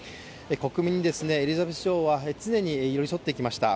国民にエリザベス女王常に寄り添ってきました。